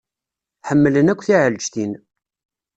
Ḥemmlen akk tiɛleǧtin.